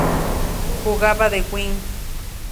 Jugaba de Wing.